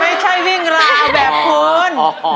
ไม่ใช่วิ่งราแบบคุณ